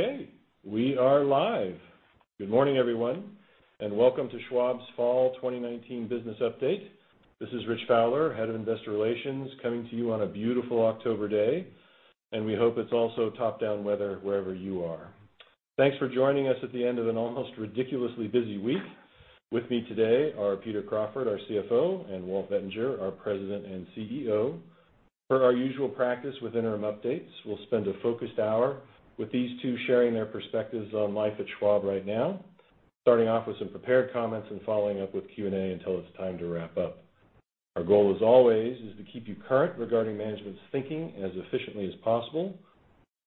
Okay, we are live. Good morning, everyone, and welcome to Schwab's Fall 2019 Business Update. This is Richard Fowler, Head of Investor Relations, coming to you on a beautiful October day, and we hope it's also top-down weather wherever you are. Thanks for joining us at the end of an almost ridiculously busy week. With me today are Peter Crawford, our CFO, and Walt Bettinger, our President and CEO. Per our usual practice with interim updates, we'll spend a focused hour with these two sharing their perspectives on life at Schwab right now, starting off with some prepared comments and following up with Q&A until it's time to wrap up. Our goal, as always, is to keep you current regarding management's thinking as efficiently as possible.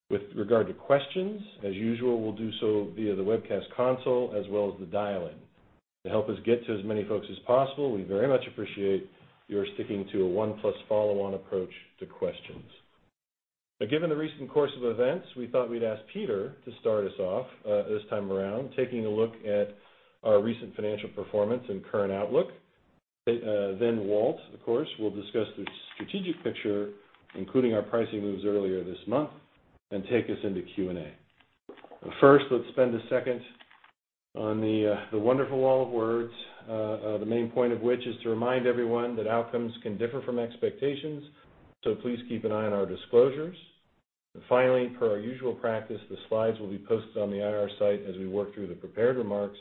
With regard to questions, as usual, we'll do so via the webcast console as well as the dial-in. To help us get to as many folks as possible, we very much appreciate your sticking to a one-plus follow-on approach to questions. Given the recent course of events, we thought we'd ask Peter to start us off this time around, taking a look at our recent financial performance and current outlook. Walt, of course, will discuss the strategic picture, including our pricing moves earlier this month, and take us into Q&A. First, let's spend a second on the wonderful wall of words, the main point of which is to remind everyone that outcomes can differ from expectations, so please keep an eye on our disclosures. Finally, per our usual practice, the slides will be posted on the IR site as we work through the prepared remarks.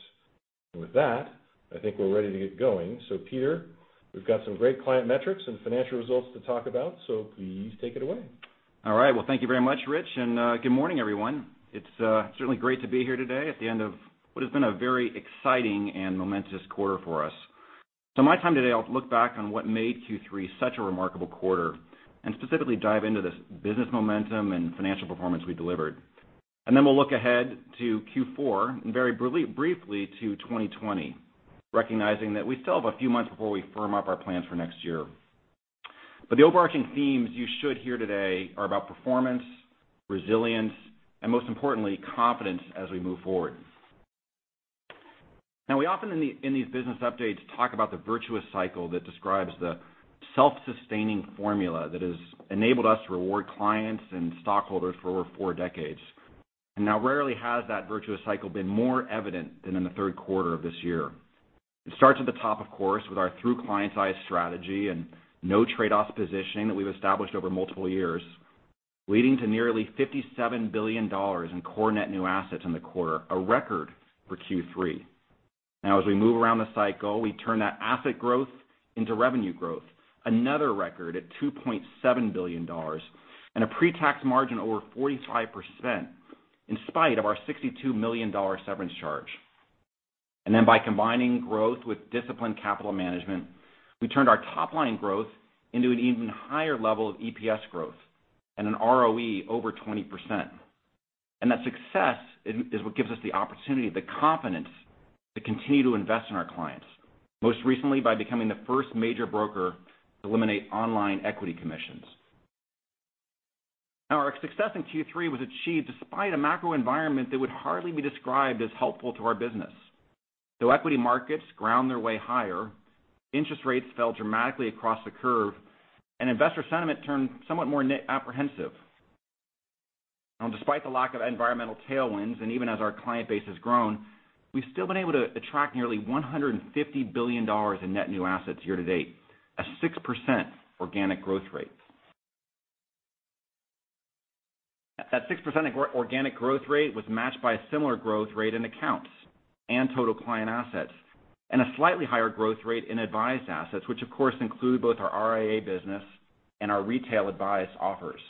With that, I think we're ready to get going. Peter, we've got some great client metrics and financial results to talk about, so please take it away. All right. Well, thank you very much, Rich. Good morning, everyone. It's certainly great to be here today at the end of what has been a very exciting and momentous quarter for us. My time today, I'll look back on what made Q3 such a remarkable quarter and specifically dive into this business momentum and financial performance we delivered. Then we'll look ahead to Q4 and very briefly to 2020, recognizing that we still have a few months before we firm up our plans for next year. The overarching themes you should hear today are about performance, resilience, and most importantly, confidence as we move forward. Now, we often, in these business updates, talk about the virtuous cycle that describes the self-sustaining formula that has enabled us to reward clients and stockholders for over four decades. Rarely has that virtuous cycle been more evident than in the third quarter of this year. It starts at the top, of course, with our Through Clients' Eyes strategy and no trade-offs positioning that we've established over multiple years, leading to nearly $57 billion in core net new assets in the quarter, a record for Q3. As we move around the cycle, we turn that asset growth into revenue growth, another record at $2.7 billion and a pre-tax margin over 45% in spite of our $62 million severance charge. By combining growth with disciplined capital management, we turned our top-line growth into an even higher level of EPS growth and an ROE over 20%. That success is what gives us the opportunity, the confidence, to continue to invest in our clients, most recently by becoming the first major broker to eliminate online equity commissions. Now, our success in Q3 was achieved despite a macro environment that would hardly be described as helpful to our business. Though equity markets ground their way higher, interest rates fell dramatically across the curve and investor sentiment turned somewhat more apprehensive. Now, despite the lack of environmental tailwinds, and even as our client base has grown, we've still been able to attract $150 billion in net new assets year to date, a 6% organic growth rate. That 6% organic growth rate was matched by a similar growth rate in accounts and total client assets, and a slightly higher growth rate in advised assets, which of course, include both our RIA business and our retail advice offers.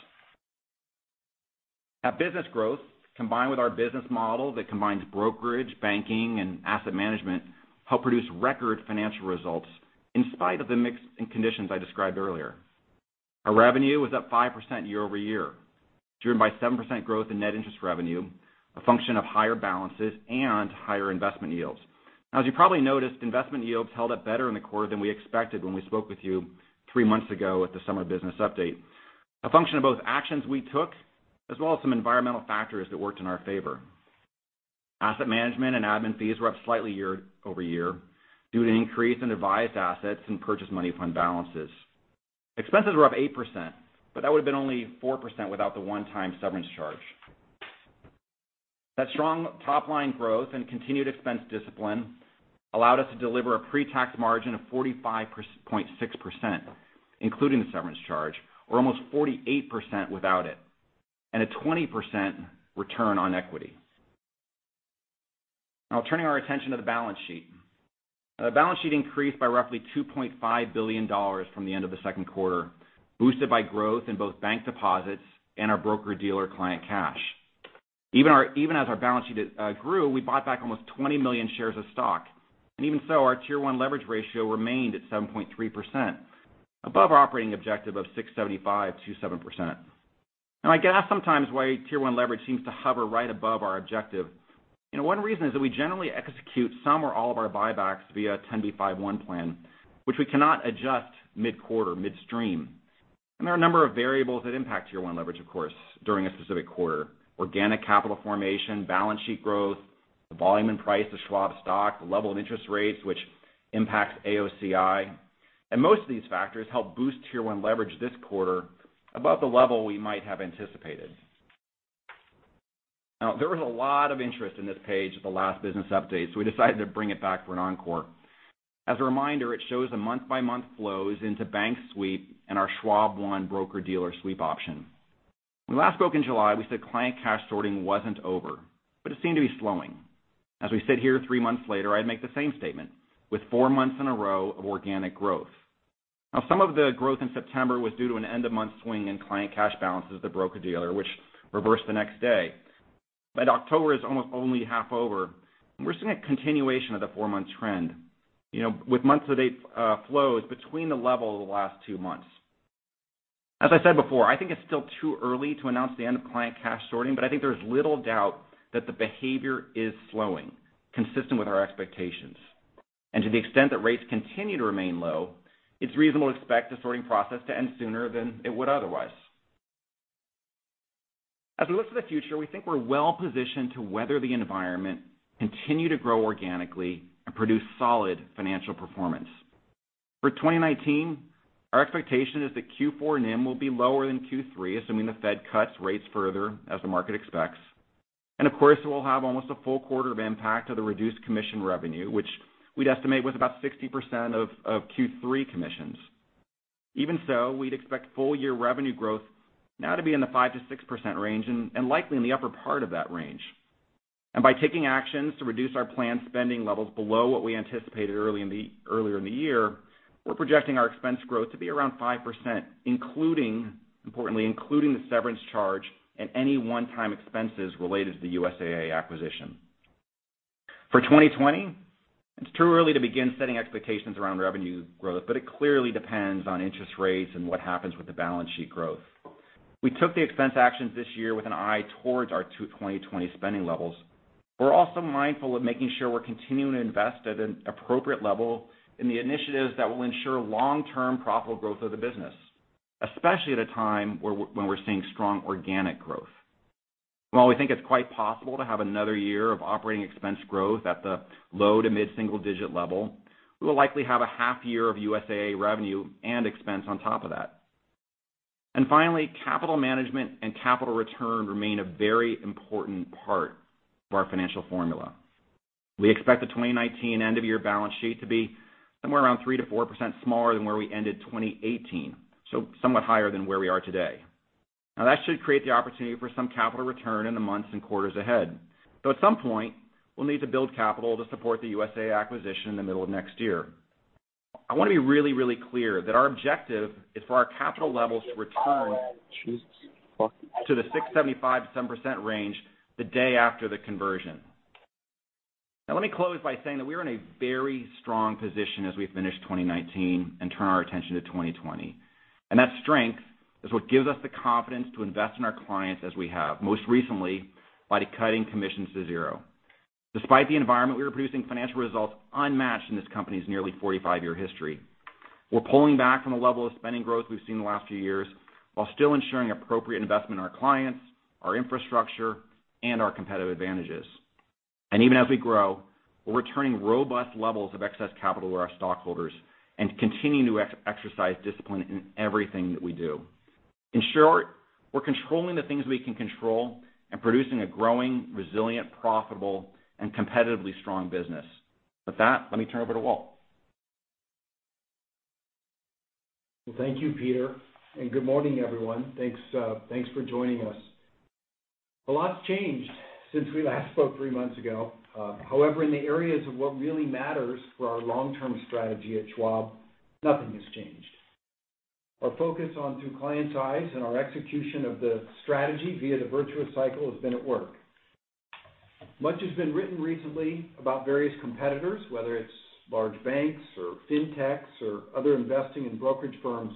That business growth, combined with our business model that combines brokerage, banking, and asset management, help produce record financial results in spite of the mix and conditions I described earlier. Our revenue was up 5% year-over-year, driven by 7% growth in net interest revenue, a function of higher balances and higher investment yields. As you probably noticed, investment yields held up better in the quarter than we expected when we spoke with you three months ago at the summer business update, a function of both actions we took, as well as some environmental factors that worked in our favor. Asset management and admin fees were up slightly year-over-year due to an increase in advised assets and purchase money fund balances. Expenses were up 8%, that would've been only 4% without the one-time severance charge. That strong top-line growth and continued expense discipline allowed us to deliver a pre-tax margin of 45.6%, including the severance charge, or almost 48% without it, and a 20% return on equity. Turning our attention to the balance sheet. The balance sheet increased by roughly $2.5 billion from the end of the second quarter, boosted by growth in both bank deposits and our broker-dealer client cash. Even as our balance sheet grew, we bought back almost 20 million shares of stock. Even so, our Tier 1 leverage ratio remained at 7.3%, above our operating objective of 6.75% to 7%. I get asked sometimes why Tier 1 leverage seems to hover right above our objective. One reason is that we generally execute some or all of our buybacks via a 10b5-1 plan, which we cannot adjust mid-quarter, mid-stream. There are a number of variables that impact Tier 1 leverage, of course, during a specific quarter. Organic capital formation, balance sheet growth, the volume and price of Schwab stock, the level of interest rates, which impacts AOCI, and most of these factors help boost Tier 1 leverage this quarter above the level we might have anticipated. Now, there was a lot of interest in this page at the last business update, so we decided to bring it back for an encore. As a reminder, it shows the month-by-month flows into bank sweep and our Schwab One broker-dealer sweep option. When we last spoke in July, we said client cash sorting wasn't over, but it seemed to be slowing. As we sit here three months later, I'd make the same statement, with four months in a row of organic growth. Now, some of the growth in September was due to an end-of-month swing in client cash balances at the broker-dealer, which reversed the next day. October is almost only half over, and we're seeing a continuation of the four-month trend, with month-to-date flows between the level of the last two months. As I said before, I think it's still too early to announce the end of client cash sorting, but I think there's little doubt that the behavior is slowing, consistent with our expectations. To the extent that rates continue to remain low, it's reasonable to expect the sorting process to end sooner than it would otherwise. As we look to the future, we think we're well-positioned to weather the environment, continue to grow organically, and produce solid financial performance. For 2019, our expectation is that Q4 NIM will be lower than Q3, assuming the Fed cuts rates further as the market expects. Of course, we'll have almost a full quarter of impact of the reduced commission revenue, which we'd estimate was about 60% of Q3 commissions. Even so, we'd expect full-year revenue growth now to be in the 5%-6% range and likely in the upper part of that range. By taking actions to reduce our planned spending levels below what we anticipated earlier in the year, we're projecting our expense growth to be around 5%, importantly including the severance charge and any one-time expenses related to the USAA acquisition. For 2020, it's too early to begin setting expectations around revenue growth, but it clearly depends on interest rates and what happens with the balance sheet growth. We took the expense actions this year with an eye towards our 2020 spending levels. We're also mindful of making sure we're continuing to invest at an appropriate level in the initiatives that will ensure long-term profitable growth of the business, especially at a time when we're seeing strong organic growth. While we think it's quite possible to have another year of operating expense growth at the low- to mid-single-digit level, we will likely have a half year of USAA revenue and expense on top of that. Finally, capital management and capital return remain a very important part of our financial formula. We expect the 2019 end-of-year balance sheet to be somewhere around 3%-4% smaller than where we ended 2018, so somewhat higher than where we are today. That should create the opportunity for some capital return in the months and quarters ahead. Though at some point, we'll need to build capital to support the USAA acquisition in the middle of next year. I want to be really, really clear that our objective is for our capital levels to return to the 6.75%-7% range the day after the conversion. Now let me close by saying that we are in a very strong position as we finish 2019 and turn our attention to 2020. That strength is what gives us the confidence to invest in our clients as we have, most recently by cutting commissions to zero. Despite the environment, we are producing financial results unmatched in this company's nearly 45-year history. We're pulling back from the level of spending growth we've seen in the last few years while still ensuring appropriate investment in our clients, our infrastructure, and our competitive advantages. Even as we grow, we're returning robust levels of excess capital to our stockholders and continuing to exercise discipline in everything that we do. In short, we're controlling the things we can control and producing a growing, resilient, profitable, and competitively strong business. With that, let me turn it over to Walt. Well, thank you, Peter. Good morning, everyone. Thanks for joining us. A lot's changed since we last spoke three months ago. In the areas of what really matters for our long-term strategy at Schwab, nothing has changed. Our focus on Through Clients' Eyes and our execution of the strategy via the virtuous cycle has been at work. Much has been written recently about various competitors, whether it's large banks or fintechs or other investing and brokerage firms.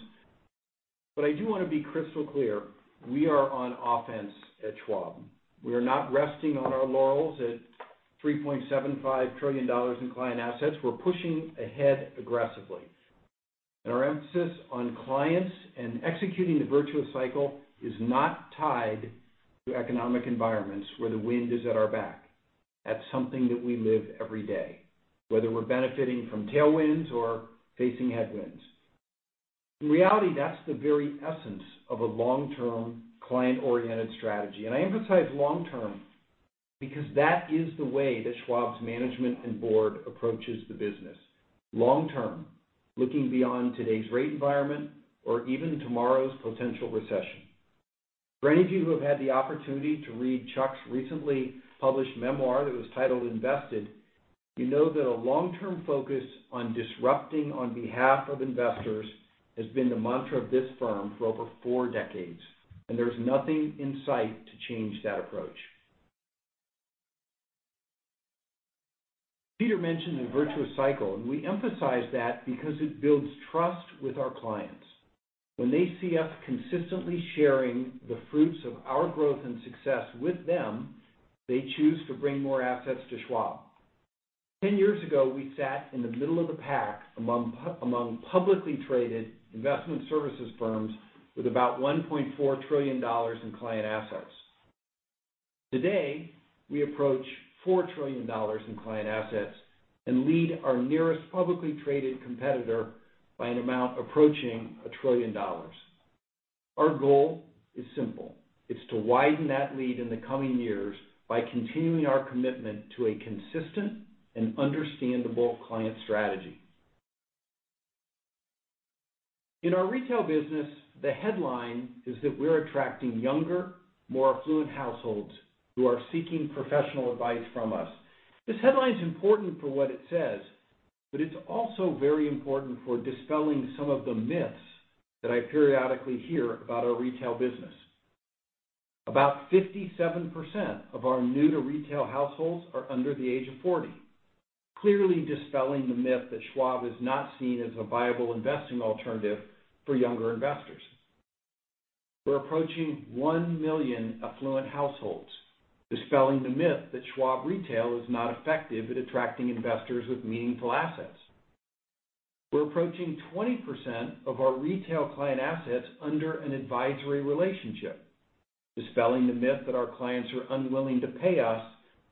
I do want to be crystal clear, we are on offense at Schwab. We are not resting on our laurels at $3.75 trillion in client assets. We're pushing ahead aggressively. Our emphasis on clients and executing the virtuous cycle is not tied to economic environments where the wind is at our back. That's something that we live every day, whether we're benefiting from tailwinds or facing headwinds. In reality, that's the very essence of a long-term, client-oriented strategy. I emphasize long-term because that is the way that Schwab's management and board approaches the business. Long-term, looking beyond today's rate environment or even tomorrow's potential recession. For any of you who have had the opportunity to read Chuck's recently published memoir that was titled "Invested," you know that a long-term focus on disrupting on behalf of investors has been the mantra of this firm for over four decades, and there's nothing in sight to change that approach. Peter mentioned the virtuous cycle. We emphasize that because it builds trust with our clients. When they see us consistently sharing the fruits of our growth and success with them, they choose to bring more assets to Schwab. 10 years ago, we sat in the middle of the pack among publicly traded investment services firms with about $1.4 trillion in client assets. Today, we approach $4 trillion in client assets and lead our nearest publicly traded competitor by an amount approaching $1 trillion. Our goal is simple. It's to widen that lead in the coming years by continuing our commitment to a consistent and understandable client strategy. In our retail business, the headline is that we're attracting younger, more affluent households who are seeking professional advice from us. This headline's important for what it says, but it's also very important for dispelling some of the myths that I periodically hear about our retail business. About 57% of our new-to-retail households are under the age of 40, clearly dispelling the myth that Schwab is not seen as a viable investing alternative for younger investors. We're approaching 1 million affluent households, dispelling the myth that Schwab retail is not effective at attracting investors with meaningful assets. We're approaching 20% of our retail client assets under an advisory relationship, dispelling the myth that our clients are unwilling to pay us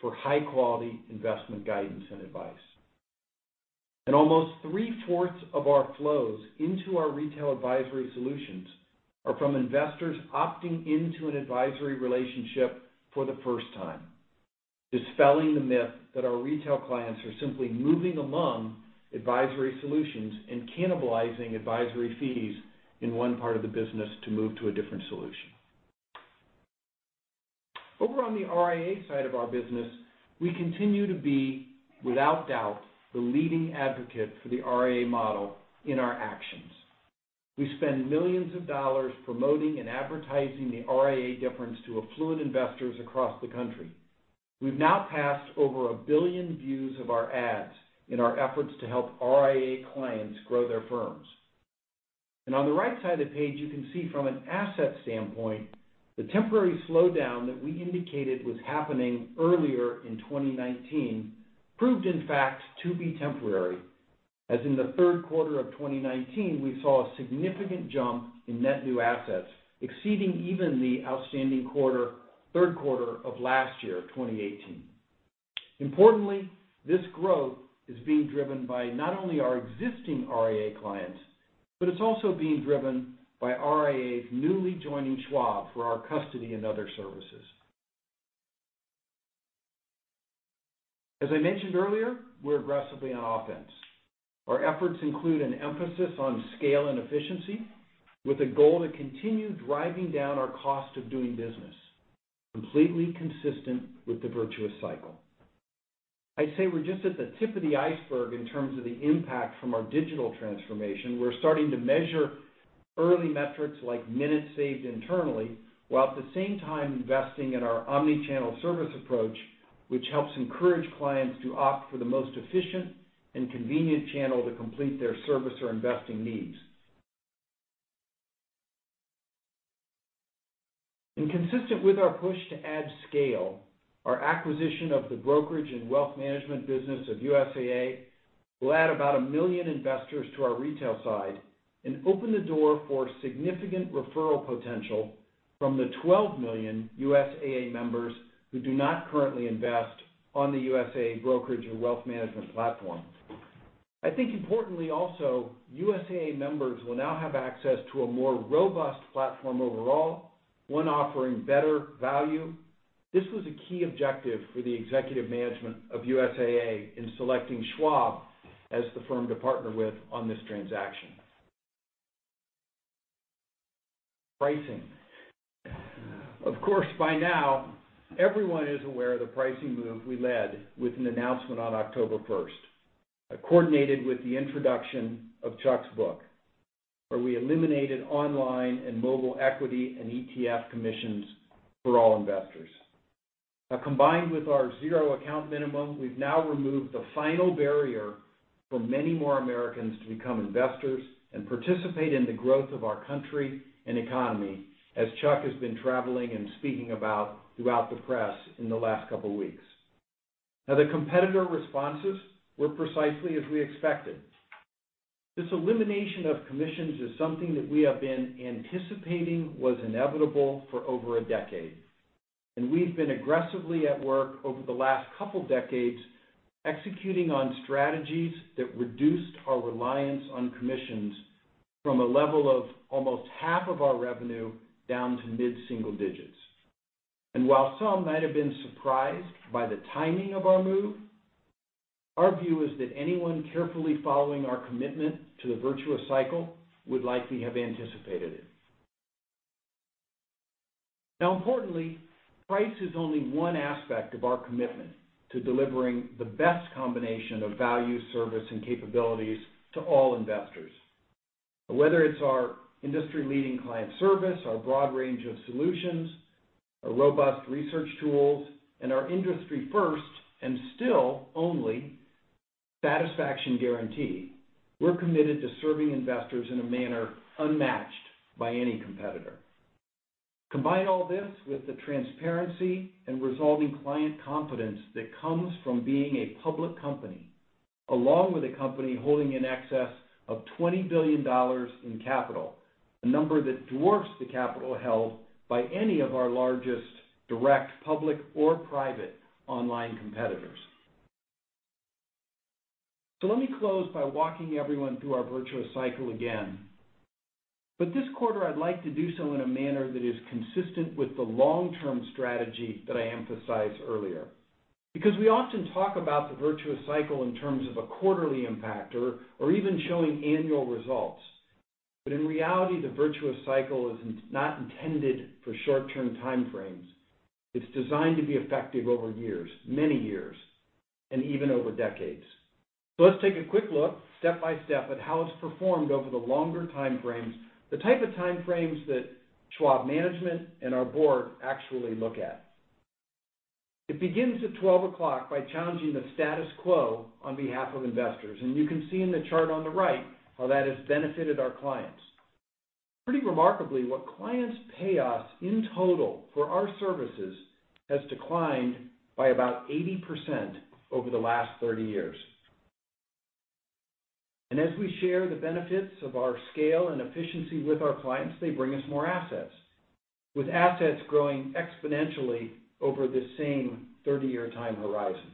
for high-quality investment guidance and advice. Almost three-fourths of our flows into our retail advisory solutions are from investors opting into an advisory relationship for the first time, dispelling the myth that our retail clients are simply moving among advisory solutions and cannibalizing advisory fees in one part of the business to move to a different solution. Over on the RIA side of our business, we continue to be, without doubt, the leading advocate for the RIA model in our actions. We spend millions of dollars promoting and advertising the RIA difference to affluent investors across the country. We've now passed over 1 billion views of our ads in our efforts to help RIA clients grow their firms. On the right side of the page, you can see from an asset standpoint, the temporary slowdown that we indicated was happening earlier in 2019 proved, in fact, to be temporary, as in the third quarter of 2019, we saw a significant jump in net new assets, exceeding even the outstanding third quarter of last year, 2018. Importantly, this growth is being driven by not only our existing RIA clients, but it's also being driven by RIAs newly joining Schwab for our custody and other services. As I mentioned earlier, we're aggressively on offense. Our efforts include an emphasis on scale and efficiency with a goal to continue driving down our cost of doing business, completely consistent with the virtuous cycle. I'd say we're just at the tip of the iceberg in terms of the impact from our digital transformation. We're starting to measure early metrics like minutes saved internally, while at the same time investing in our omni-channel service approach, which helps encourage clients to opt for the most efficient and convenient channel to complete their service or investing needs. Consistent with our push to add scale, our acquisition of the brokerage and wealth management business of USAA will add about 1 million investors to our retail side and open the door for significant referral potential from the 12 million USAA members who do not currently invest on the USAA brokerage or wealth management platform. I think importantly also, USAA members will now have access to a more robust platform overall, one offering better value. This was a key objective for the executive management of USAA in selecting Schwab as the firm to partner with on this transaction. Pricing. Of course, by now, everyone is aware of the pricing move we led with an announcement on October 1st. I coordinated with the introduction of Chuck's book, where we eliminated online and mobile equity and ETF commissions for all investors. Combined with our zero account minimum, we've now removed the final barrier for many more Americans to become investors and participate in the growth of our country and economy, as Chuck has been traveling and speaking about throughout the press in the last couple of weeks. The competitor responses were precisely as we expected. This elimination of commissions is something that we have been anticipating was inevitable for over a decade, and we've been aggressively at work over the last couple decades executing on strategies that reduced our reliance on commissions from a level of almost half of our revenue down to mid-single digits. While some might have been surprised by the timing of our move, our view is that anyone carefully following our commitment to the virtuous cycle would likely have anticipated it. Importantly, price is only one aspect of our commitment to delivering the best combination of value, service, and capabilities to all investors. Whether it's our industry-leading client service, our broad range of solutions, our robust research tools, and our industry first, and still only, satisfaction guarantee, we're committed to serving investors in a manner unmatched by any competitor. Combine all this with the transparency and resolving client confidence that comes from being a public company, along with a company holding in excess of $20 billion in capital, a number that dwarfs the capital held by any of our largest direct public or private online competitors. Let me close by walking everyone through our virtuous cycle again. This quarter, I'd like to do so in a manner that is consistent with the long-term strategy that I emphasized earlier. We often talk about the virtuous cycle in terms of a quarterly impact or even showing annual results. In reality, the virtuous cycle is not intended for short-term time frames. It's designed to be effective over years, many years, and even over decades. Let's take a quick look, step by step, at how it's performed over the longer time frames, the type of time frames that Schwab management and our board actually look at. It begins at 12 o'clock by challenging the status quo on behalf of investors, and you can see in the chart on the right how that has benefited our clients. Pretty remarkably, what clients pay us in total for our services has declined by about 80% over the last 30 years. As we share the benefits of our scale and efficiency with our clients, they bring us more assets, with assets growing exponentially over this same 30-year time horizon.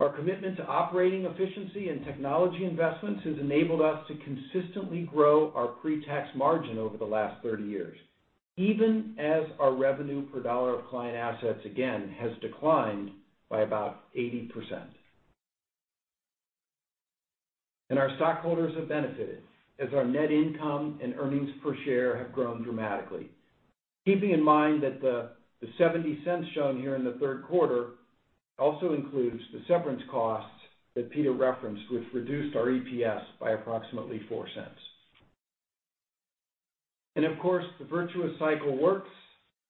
Our commitment to operating efficiency and technology investments has enabled us to consistently grow our pre-tax margin over the last 30 years, even as our revenue per dollar of client assets, again, has declined by about 80%. Our stockholders have benefited as our net income and earnings per share have grown dramatically. Keeping in mind that the $0.70 shown here in the third quarter also includes the severance costs that Peter referenced, which reduced our EPS by approximately $0.04. Of course, the virtuous cycle works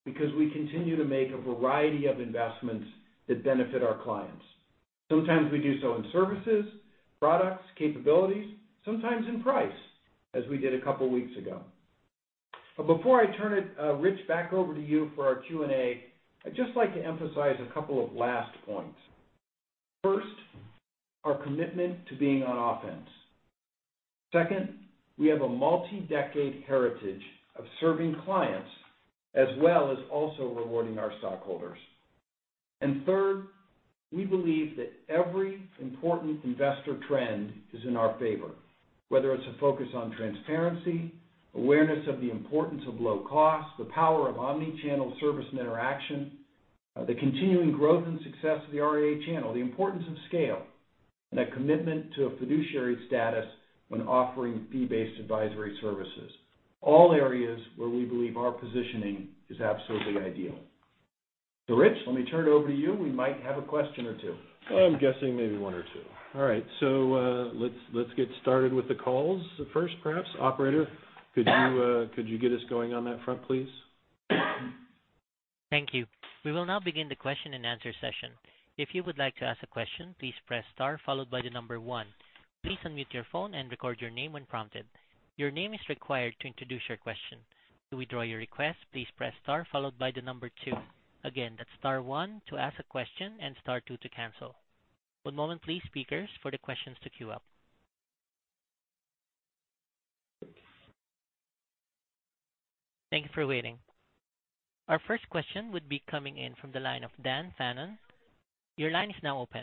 because we continue to make a variety of investments that benefit our clients. Sometimes we do so in services, products, capabilities, sometimes in price, as we did a couple of weeks ago. Before I turn it, Rich, back over to you for our Q&A, I'd just like to emphasize a couple of last points. First, our commitment to being on offense. Second, we have a multi-decade heritage of serving clients as well as also rewarding our stockholders. Third, we believe that every important investor trend is in our favor, whether it's a focus on transparency, awareness of the importance of low cost, the power of omni-channel service and interaction, the continuing growth and success of the RIA channel, the importance of scale, and a commitment to a fiduciary status when offering fee-based advisory services. All areas where we believe our positioning is absolutely ideal. Rich, let me turn it over to you. We might have a question or two. I'm guessing maybe one or two. All right, let's get started with the calls first, perhaps. Operator, could you get us going on that front, please? Thank you. We will now begin the question and answer session. If you would like to ask a question, please press star followed by the number one. Please unmute your phone and record your name when prompted. Your name is required to introduce your question. To withdraw your request, please press star followed by the number two. Again, that's star one to ask a question and star two to cancel. One moment please, speakers, for the questions to queue up. Thank you for waiting. Our first question would be coming in from the line of Daniel Fannon. Your line is now open.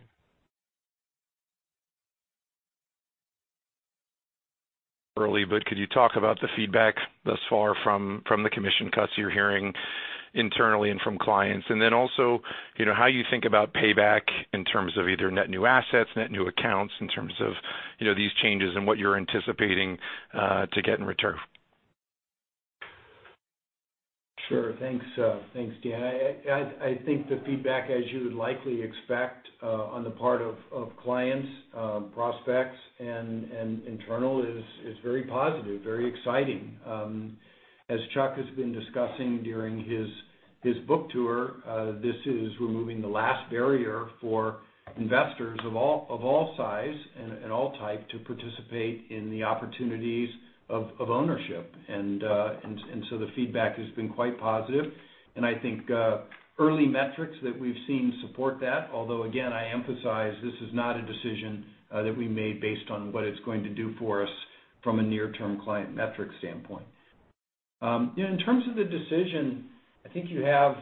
Early, could you talk about the feedback thus far from the commission cuts you're hearing internally and from clients? Also, how you think about payback in terms of either net new assets, net new accounts, in terms of these changes and what you're anticipating to get in return. Sure. Thanks, Dan. I think the feedback, as you would likely expect, on the part of clients, prospects, internal is very positive, very exciting. As Chuck has been discussing during his book tour, this is removing the last barrier for investors of all size and all type to participate in the opportunities of ownership. The feedback has been quite positive, and I think early metrics that we've seen support that, although, again, I emphasize this is not a decision that we made based on what it's going to do for us from a near-term client metric standpoint. In terms of the decision, I think you have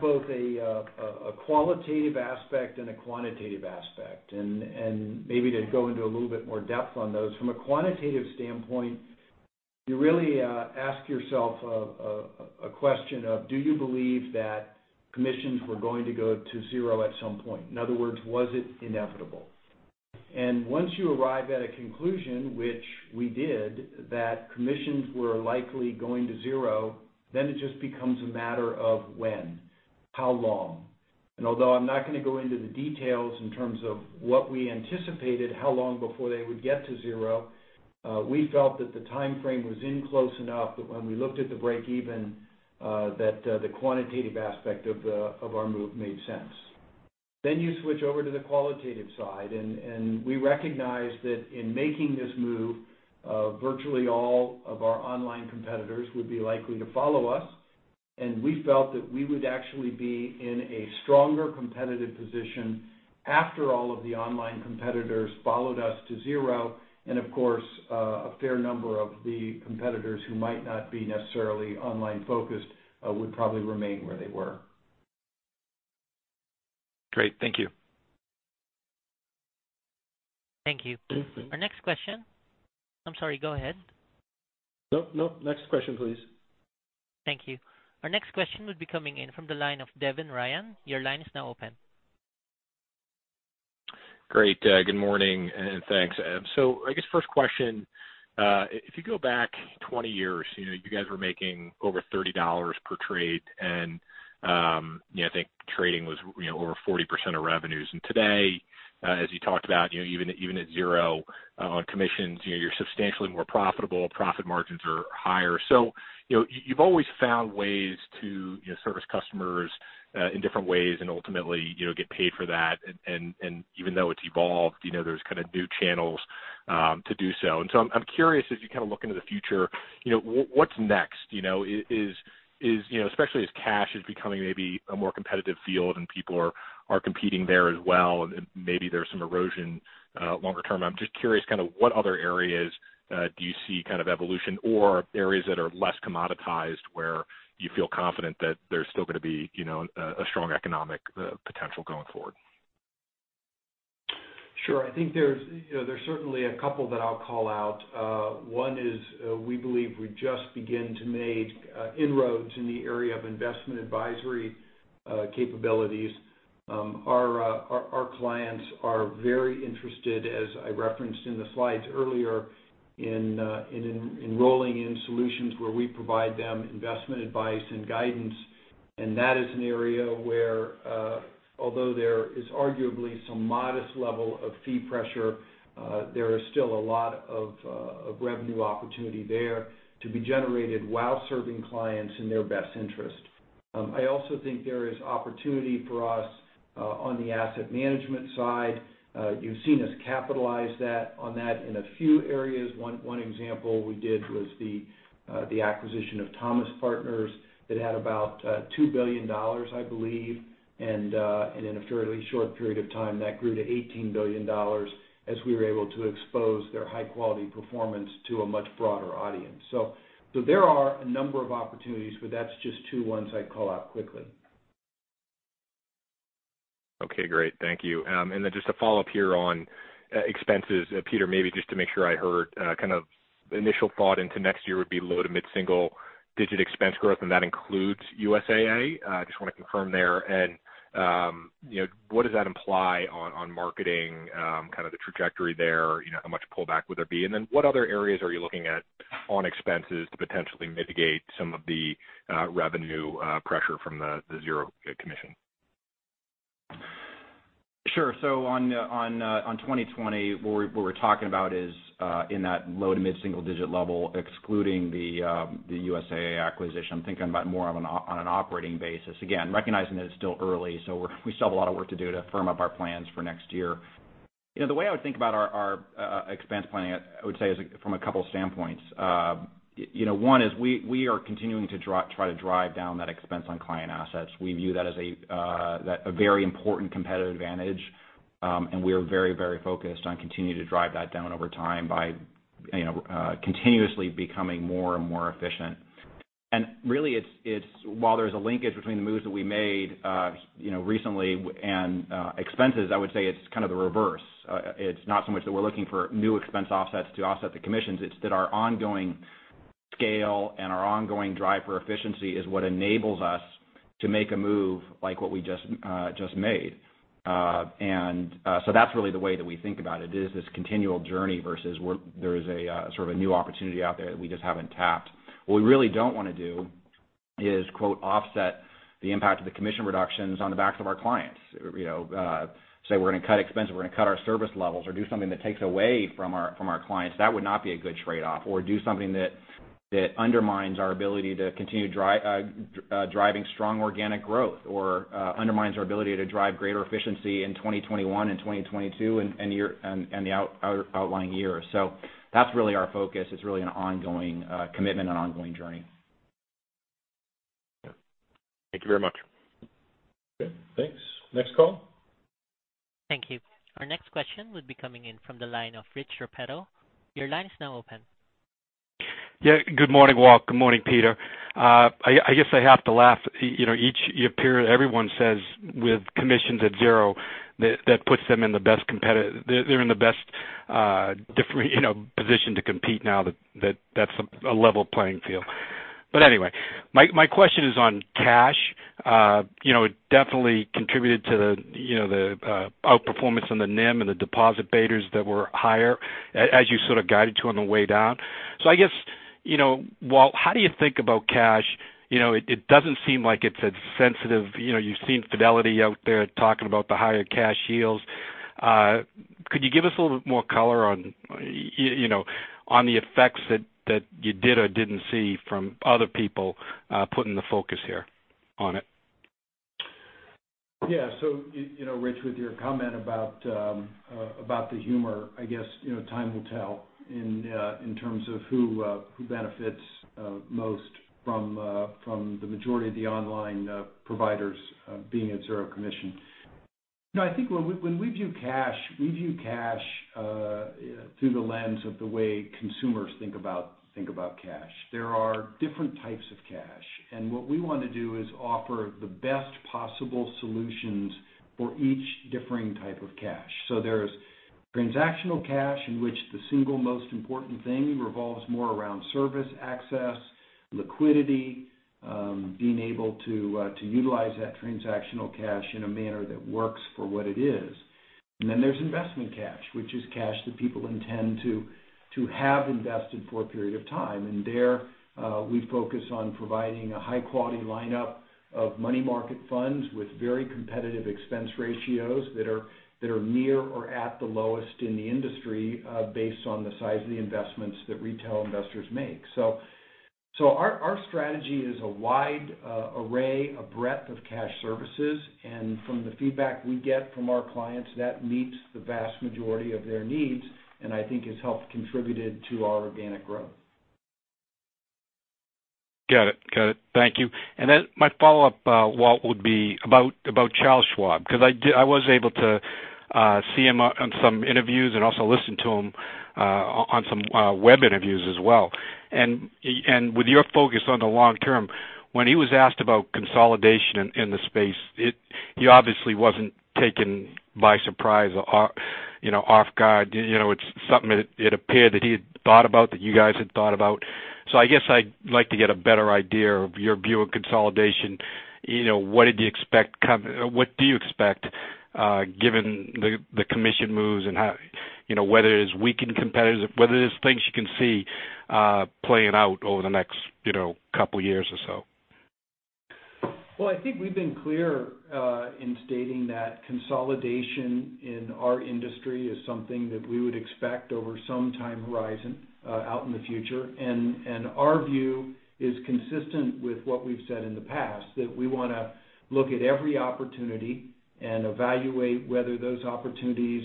both a qualitative aspect and a quantitative aspect. Maybe to go into a little bit more depth on those. From a quantitative standpoint, you really ask yourself a question of, do you believe that commissions were going to go to zero at some point? In other words, was it inevitable? Once you arrive at a conclusion, which we did, that commissions were likely going to zero, it just becomes a matter of when, how long. Although I'm not going to go into the details in terms of what we anticipated, how long before they would get to zero, we felt that the time frame was in close enough that when we looked at the break even, that the quantitative aspect of our move made sense. You switch over to the qualitative side, we recognize that in making this move, virtually all of our online competitors would be likely to follow us. We felt that we would actually be in a stronger competitive position after all of the online competitors followed us to zero. Of course, a fair number of the competitors who might not be necessarily online-focused would probably remain where they were. Great. Thank you. Thank you. Our next question. I'm sorry, go ahead. No, next question please. Thank you. Our next question would be coming in from the line of Devin Ryan. Your line is now open. Great. Good morning, and thanks. I guess first question, if you go back 20 years, you guys were making over $30 per trade and I think trading was over 40% of revenues. Today, as you talked about, even at zero on commissions, you're substantially more profitable. Profit margins are higher. You've always found ways to service customers in different ways and ultimately get paid for that. Even though it's evolved, there's kind of new channels to do so. I'm curious as you kind of look into the future, what's next? Especially as cash is becoming maybe a more competitive field and people are competing there as well, and maybe there's some erosion longer term. I'm just curious, what other areas do you see kind of evolution or areas that are less commoditized where you feel confident that there's still going to be a strong economic potential going forward? Sure. I think there's certainly a couple that I'll call out. One is we believe we just begin to make inroads in the area of investment advisory capabilities. Our clients are very interested, as I referenced in the slides earlier, in enrolling in solutions where we provide them investment advice and guidance. That is an area where, although there is arguably some modest level of fee pressure, there is still a lot of revenue opportunity there to be generated while serving clients in their best interest. I also think there is opportunity for us on the asset management side. You've seen us capitalize on that in a few areas. One example we did was the acquisition of ThomasPartners that had about $2 billion, I believe. In a fairly short period of time, that grew to $18 billion as we were able to expose their high-quality performance to a much broader audience. There are a number of opportunities, but that's just two ones I'd call out quickly. Okay, great. Thank you. Then just to follow up here on expenses, Peter, maybe just to make sure I heard kind of initial thought into next year would be low to mid-single digit expense growth, and that includes USAA. I just want to confirm there. What does that imply on marketing, kind of the trajectory there? How much pullback would there be? Then what other areas are you looking at on expenses to potentially mitigate some of the revenue pressure from the zero commission? Sure. On 2020, what we're talking about is in that low to mid-single digit level, excluding the USAA acquisition. I'm thinking about more on an operating basis. Again, recognizing that it's still early, we still have a lot of work to do to firm up our plans for next year. The way I would think about our expense planning, I would say is from a 2 standpoints. One is we are continuing to try to drive down that expense on client assets. We view that as a very important competitive advantage. We are very focused on continuing to drive that down over time by continuously becoming more and more efficient. Really, while there's a linkage between the moves that we made recently and expenses, I would say it's kind of the reverse. It's not so much that we're looking for new expense offsets to offset the commissions. It's that our ongoing scale and our ongoing drive for efficiency is what enables us to make a move like what we just made. That's really the way that we think about it, is this continual journey versus where there is a sort of a new opportunity out there that we just haven't tapped. What we really don't want to do is, quote, "offset the impact of the commission reductions on the backs of our clients." Say we're going to cut expenses, we're going to cut our service levels or do something that takes away from our clients. That would not be a good trade-off. Do something that undermines our ability to continue driving strong organic growth or undermines our ability to drive greater efficiency in 2021 and 2022 and the outlying years. That's really our focus. It's really an ongoing commitment and ongoing journey. Yeah. Thank you very much. Okay, thanks. Next call. Thank you. Our next question would be coming in from the line of Rich Repetto. Your line is now open. Good morning, Walt. Good morning, Peter. I guess I have to laugh. Each period, everyone says with commissions at zero, that puts them in the best position to compete now that's a level playing field. Anyway, my question is on cash. It definitely contributed to the outperformance on the NIM and the deposit betas that were higher as you sort of guided to on the way down. I guess, Walt, how do you think about cash? It doesn't seem like it's as sensitive. You've seen Fidelity out there talking about the higher cash yields. Could you give us a little bit more color on the effects that you did or didn't see from other people putting the focus here on it? Yeah. Rich, with your comment about the humor, I guess, time will tell in terms of who benefits most from the majority of the online providers being at zero commission. I think when we view cash, we view cash through the lens of the way consumers think about cash. There are different types of cash. What we want to do is offer the best possible solutions for each differing type of cash. There's transactional cash, in which the single most important thing revolves more around service access, liquidity, being able to utilize that transactional cash in a manner that works for what it is. Then there's investment cash, which is cash that people intend to have invested for a period of time. There, we focus on providing a high-quality lineup of money market funds with very competitive expense ratios that are near or at the lowest in the industry, based on the size of the investments that retail investors make. Our strategy is a wide array, a breadth of cash services, and from the feedback we get from our clients, that meets the vast majority of their needs, and I think has helped contributed to our organic growth. Got it. Thank you. My follow-up, Walt, would be about Charles Schwab, because I was able to see him on some interviews and also listen to him on some web interviews as well. With your focus on the long term, when he was asked about consolidation in the space, he obviously wasn't taken by surprise or off guard. It's something that it appeared that he had thought about, that you guys had thought about. I guess I'd like to get a better idea of your view of consolidation. What do you expect, given the commission moves and whether there's things you can see playing out over the next couple of years or so? Well, I think we've been clear in stating that consolidation in our industry is something that we would expect over some time horizon out in the future. Our view is consistent with what we've said in the past, that we want to look at every opportunity and evaluate whether those opportunities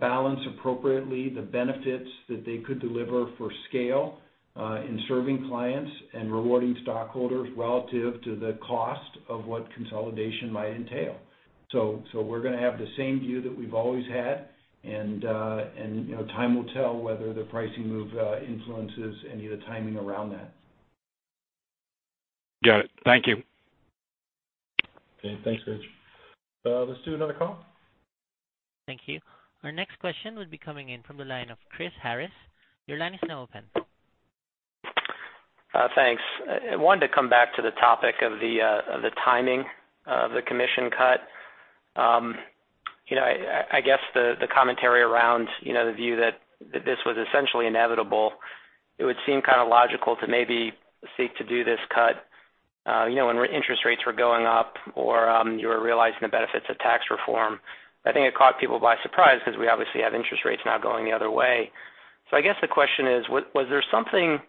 balance appropriately the benefits that they could deliver for scale in serving clients and rewarding stockholders relative to the cost of what consolidation might entail. We're going to have the same view that we've always had, and time will tell whether the pricing move influences any of the timing around that. Got it. Thank you. Okay. Thanks, Rich. Let's do another call. Thank you. Our next question would be coming in from the line of Christopher Harris. Your line is now open. Thanks. I wanted to come back to the topic of the timing of the commission cut. I guess the commentary around the view that this was essentially inevitable, it would seem kind of logical to maybe seek to do this cut when interest rates were going up or you were realizing the benefits of tax reform. I think it caught people by surprise because we obviously have interest rates now going the other way. I guess the question is, was there something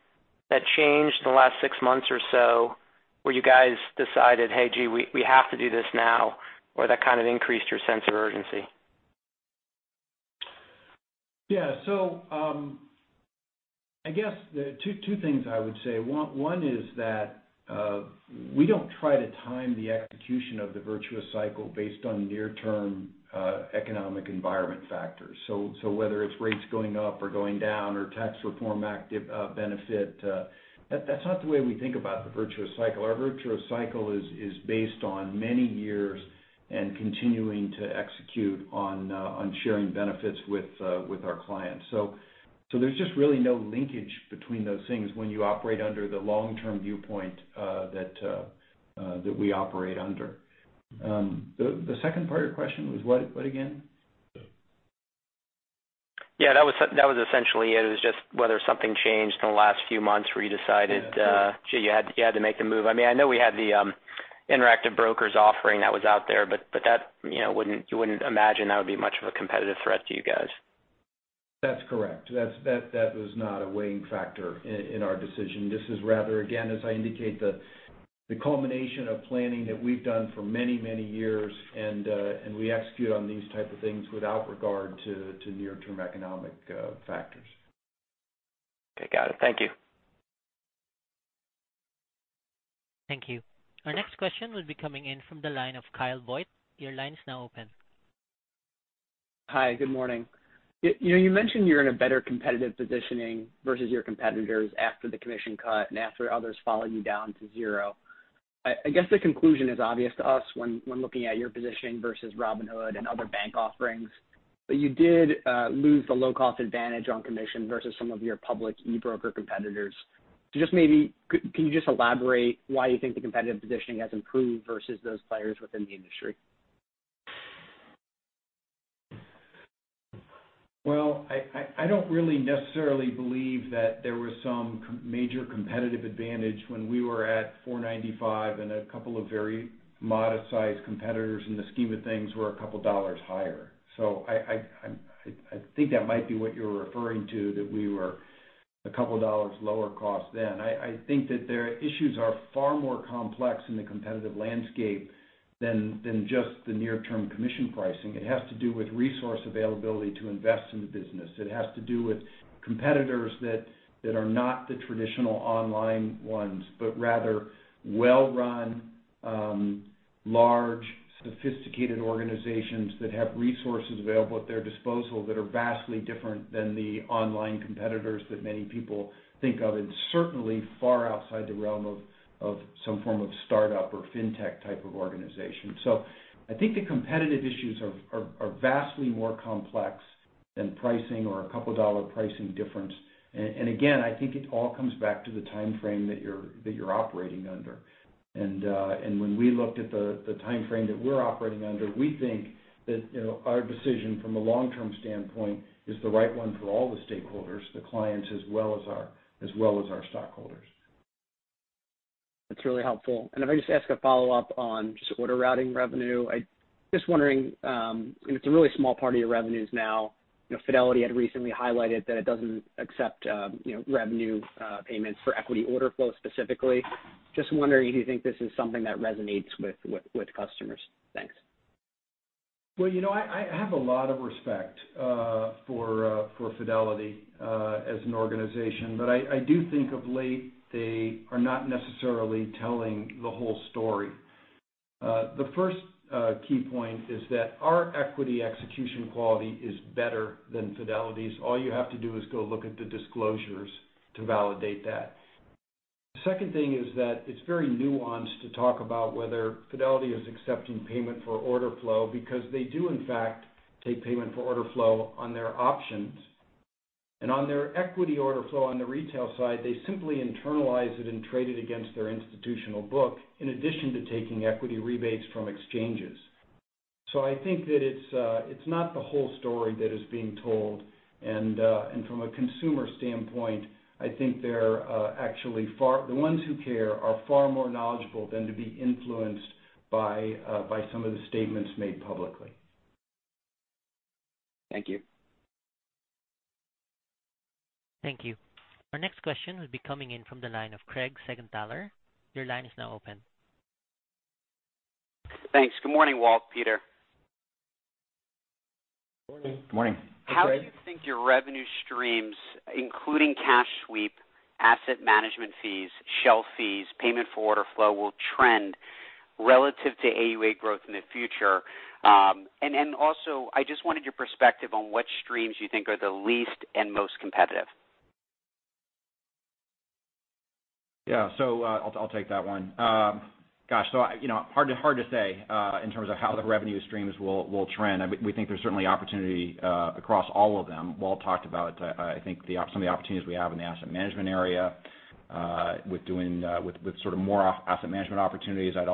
that changed in the last six months or so where you guys decided, hey, gee, we have to do this now, or that kind of increased your sense of urgency? Yeah. I guess there are two things I would say. One is that we don't try to time the execution of the virtuous cycle based on near-term economic environment factors. Whether it's rates going up or going down or tax reform benefit, that's not the way we think about the virtuous cycle. Our virtuous cycle is based on many years and continuing to execute on sharing benefits with our clients. There's just really no linkage between those things when you operate under the long-term viewpoint that we operate under. The second part of your question was what again? Yeah, that was essentially it. It was just whether something changed in the last few months where you decided- Yeah. You had to make the move. I know we had the Interactive Brokers offering that was out there, but you wouldn't imagine that would be much of a competitive threat to you guys. That's correct. That was not a weighing factor in our decision. This is rather, again, as I indicate, the culmination of planning that we've done for many, many years, and we execute on these type of things without regard to near-term economic factors. Okay. Got it. Thank you. Thank you. Our next question will be coming in from the line of Kyle Voigt. Your line is now open. Hi. Good morning. You mentioned you're in a better competitive positioning versus your competitors after the commission cut and after others followed you down to zero. I guess the conclusion is obvious to us when looking at your positioning versus Robinhood and other bank offerings, but you did lose the low-cost advantage on commission versus some of your public e-broker competitors. Just maybe, can you just elaborate why you think the competitive positioning has improved versus those players within the industry? I don't really necessarily believe that there was some major competitive advantage when we were at $4.95, and a couple of very modest-sized competitors in the scheme of things were a couple of dollars higher. I think that might be what you're referring to, that we were a couple dollars lower cost then. It has to do with resource availability to invest in the business. It has to do with competitors that are not the traditional online ones, but rather well-run, large, sophisticated organizations that have resources available at their disposal that are vastly different than the online competitors that many people think of, and certainly far outside the realm of some form of startup or fintech type of organization. I think the competitive issues are vastly more complex than pricing or a couple dollar pricing difference. Again, I think it all comes back to the timeframe that you're operating under. When we looked at the timeframe that we're operating under, we think that our decision from a long-term standpoint is the right one for all the stakeholders, the clients as well as our stockholders. That's really helpful. If I just ask a follow-up on just order routing revenue? Just wondering, it's a really small part of your revenues now. Fidelity had recently highlighted that it doesn't accept revenue payments for equity order flow specifically. Just wondering if you think this is something that resonates with customers? Thanks. Well, I have a lot of respect for Fidelity as an organization, but I do think of late, they are not necessarily telling the whole story. The first key point is that our equity execution quality is better than Fidelity's. All you have to do is go look at the disclosures to validate that. The second thing is that it's very nuanced to talk about whether Fidelity is accepting payment for order flow, because they do, in fact, take payment for order flow on their options. On their equity order flow on the retail side, they simply internalize it and trade it against their institutional book, in addition to taking equity rebates from exchanges. I think that it's not the whole story that is being told, and from a consumer standpoint, I think the ones who care are far more knowledgeable than to be influenced by some of the statements made publicly. Thank you. Thank you. Our next question will be coming in from the line of Craig Siegenthaler. Your line is now open. Thanks. Good morning, Walt, Peter. Morning. Good morning. How do you think your revenue streams, including cash sweep, asset management fees, shelf fees, payment for order flow, will trend relative to AUA growth in the future? Then also, I just wanted your perspective on what streams you think are the least and most competitive. Yeah. I'll take that one. Gosh. Hard to say, in terms of how the revenue streams will trend. We think there's certainly opportunity across all of them. Walt talked about, I think, some of the opportunities we have in the asset management area, with sort of more asset management opportunities. I'd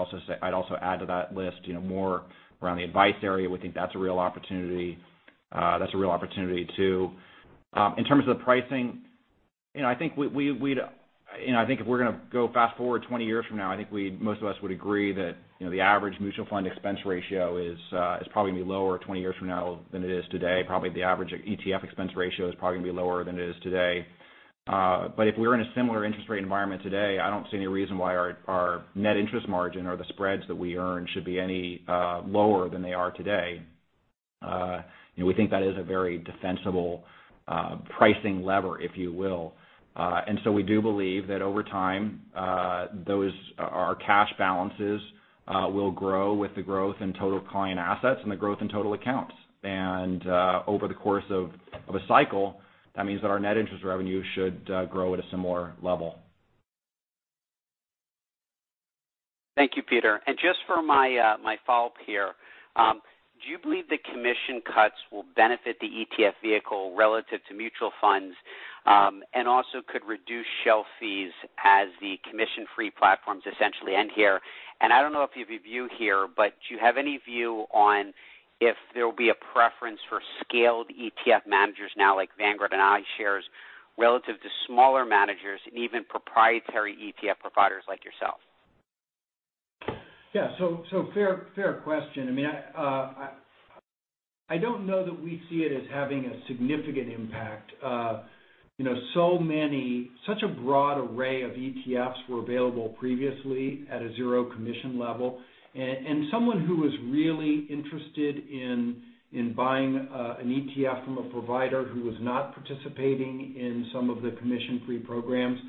also add to that list more around the advice area. We think that's a real opportunity, too. In terms of the pricing, I think if we're going to go fast-forward 20 years from now, I think most of us would agree that the average mutual fund expense ratio is probably going to be lower 20 years from now than it is today. Probably the average ETF expense ratio is probably going to be lower than it is today. If we're in a similar interest rate environment today, I don't see any reason why our net interest margin or the spreads that we earn should be any lower than they are today. We think that is a very defensible pricing lever, if you will. We do believe that over time, our cash balances will grow with the growth in total client assets and the growth in total accounts. Over the course of a cycle, that means that our net interest revenue should grow at a similar level. Thank you, Peter. Just for my follow-up here, do you believe the commission cuts will benefit the ETF vehicle relative to mutual funds, and also could reduce shelf fees as the commission-free platforms essentially end here? I don't know if you have a view here, but do you have any view on if there will be a preference for scaled ETF managers now, like Vanguard and iShares, relative to smaller managers and even proprietary ETF providers like yourself? Yeah. Fair question. I don't know that we see it as having a significant impact. Such a broad array of ETFs were available previously at a zero commission level. Someone who was really interested in buying an ETF from a provider who was not participating in some of the commission-free programs,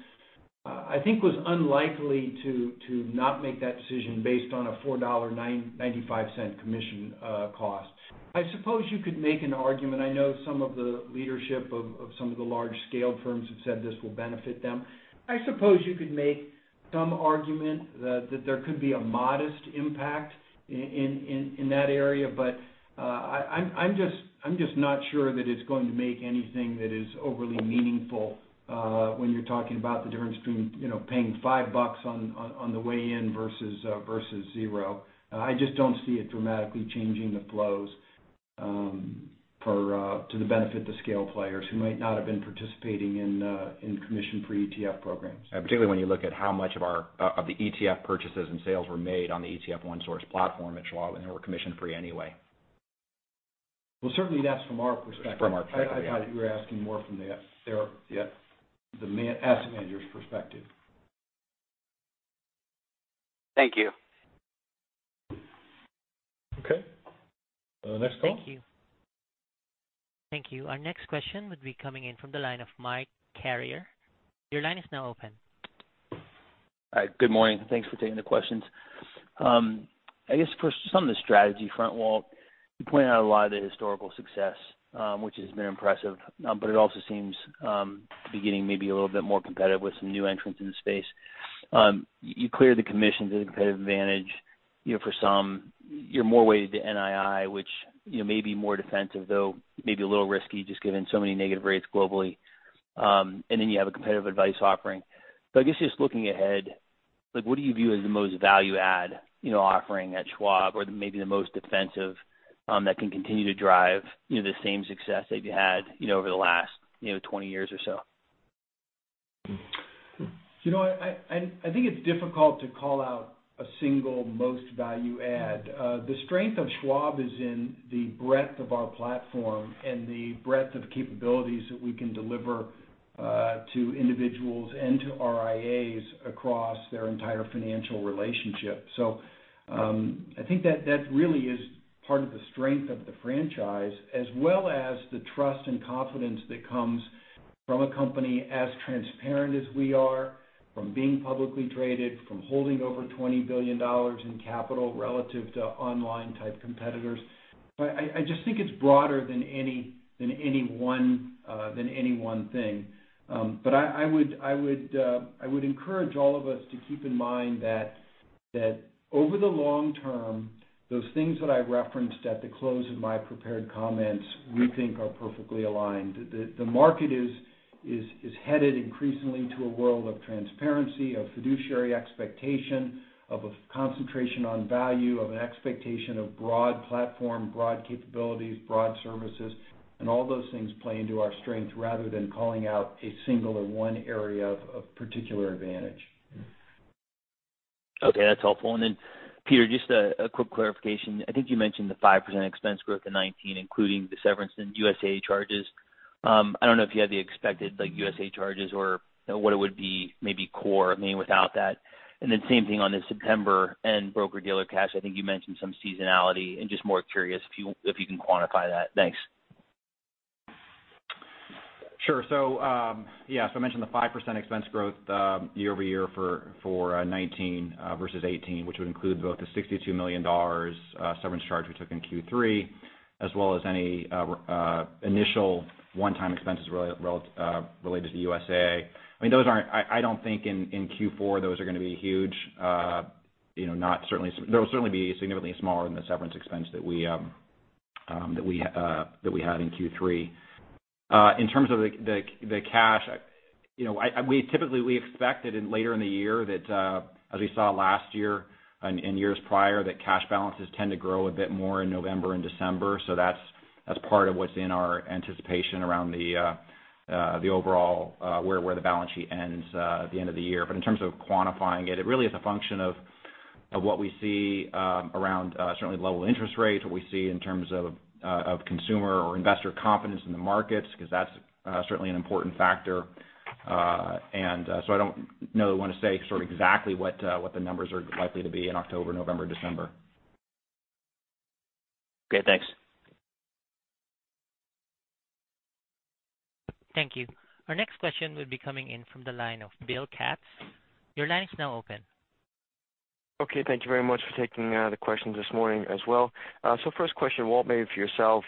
I think, was unlikely to not make that decision based on a $4.95 commission cost. I suppose you could make an argument. I know some of the leadership of some of the large-scale firms have said this will benefit them. I suppose you could make some argument that there could be a modest impact in that area, but I'm just not sure that it's going to make anything that is overly meaningful when you're talking about the difference between paying five bucks on the way in versus zero. I just don't see it dramatically changing the flows. To the benefit the scale players who might not have been participating in commission-free ETF programs. Particularly when you look at how much of the ETF purchases and sales were made on the ETF OneSource platform at Schwab, and they were commission-free anyway. Well, certainly that's from our perspective. From our perspective, yeah. I thought you were asking more. Yeah the asset manager's perspective. Thank you. Okay. Next call. Thank you. Thank you. Our next question would be coming in from the line of Michael Carrier. Your line is now open. Hi. Good morning. Thanks for taking the questions. I guess first, on the strategy front, Walt, you pointed out a lot of the historical success, which has been impressive, but it also seems to be getting maybe a little bit more competitive with some new entrants in the space. You cleared the commissions as a competitive advantage. For some, you're more weighted to NII, which may be more defensive, though maybe a little risky, just given so many negative rates globally. You have a competitive advice offering. I guess just looking ahead, what do you view as the most value-add offering at Schwab or maybe the most defensive that can continue to drive the same success that you had over the last 20 years or so? I think it's difficult to call out a single most value add. The strength of Schwab is in the breadth of our platform and the breadth of capabilities that we can deliver to individuals and to RIAs across their entire financial relationship. I think that really is part of the strength of the franchise, as well as the trust and confidence that comes from a company as transparent as we are, from being publicly traded, from holding over $20 billion in capital relative to online-type competitors. I just think it's broader than any one thing. I would encourage all of us to keep in mind that over the long term, those things that I referenced at the close of my prepared comments, we think are perfectly aligned. The market is headed increasingly to a world of transparency, of fiduciary expectation, of a concentration on value, of an expectation of broad platform, broad capabilities, broad services, and all those things play into our strength rather than calling out a single or one area of particular advantage. Okay. That's helpful. Peter, just a quick clarification. I think you mentioned the 5% expense growth in 2019, including the severance and USAA charges. I don't know if you had the expected USAA charges or what it would be maybe core, maybe without that. Then same thing on the September-end broker dealer cash. I think you mentioned some seasonality and just more curious if you can quantify that. Thanks. Sure. Yeah. I mentioned the 5% expense growth year-over-year for 2019 versus 2018, which would include both the $62 million severance charge we took in Q3, as well as any initial one-time expenses related to USAA. I don't think in Q4, those are going to be huge. They'll certainly be significantly smaller than the severance expense that we had in Q3. In terms of the cash, typically, we expected later in the year that, as we saw last year and years prior, that cash balances tend to grow a bit more in November and December. That's part of what's in our anticipation around the overall where the balance sheet ends at the end of the year. In terms of quantifying it really is a function of what we see around certainly the level of interest rates, what we see in terms of consumer or investor confidence in the markets, because that's certainly an important factor. I don't know that I want to say sort of exactly what the numbers are likely to be in October, November, December. Okay. Thanks. Thank you. Our next question will be coming in from the line of Bill Katz. Your line is now open. Thank you very much for taking the questions this morning as well. First question, Walt, maybe for yourself.